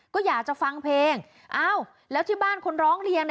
ก็อยากจะฟังเพลงอ้าวแล้วที่บ้านคนร้องเรียน